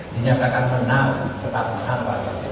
dinyatakan menang tetap menang pak tegang